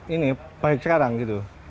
ini baik sekarang gitu